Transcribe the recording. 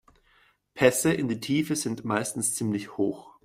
Pässe in die Tiefe sind meistens ziemlich hoch.